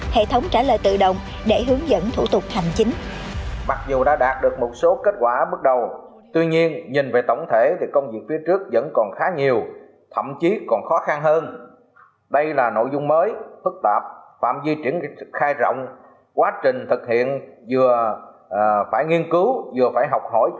hệ thống trả lời tự động để hướng dẫn thủ tục hành chính